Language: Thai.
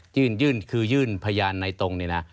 ยื่นยื่นคือยื่นพยานในตรงเนี่ยนะ